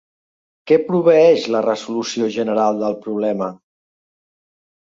Què proveeix la resolució general del problema?